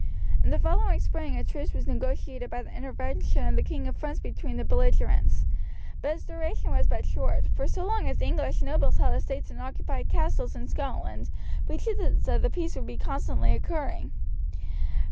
In the following spring a truce was negotiated by the intervention of the King of France between the belligerents; but its duration was but short, for so long as English nobles held estates and occupied castles in Scotland breaches of the peace would be constantly occurring.